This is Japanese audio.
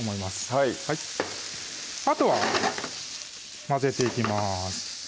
はいあとは混ぜていきます